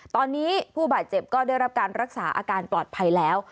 ตอนนี้ผู้บาดเจ็บก็ได้รับการรักษาอาการปลอดภัยแล้ว